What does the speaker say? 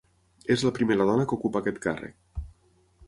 És la primera dona que ocupa aquest càrrec.